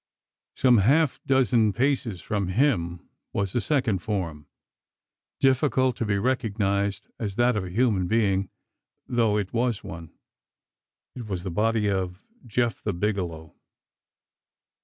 Some half dozen paces from him was a second form, difficult to be recognised as that of a human being though it was one. It was the body of Jephthah Bigelow.